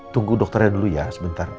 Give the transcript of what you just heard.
tunggu dokternya dulu ya sebentar